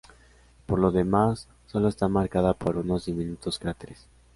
Por lo demás, solo está marcada por unos diminutos cráteres.